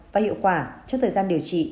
và hiệu quả trong thời gian điều trị